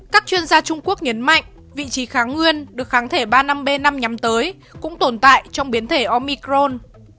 các chuyên gia trung quốc nhấn mạnh vị trí kháng nguyên được kháng thể ba năm b năm nhắm tới cũng tồn tại trong biến thể omicron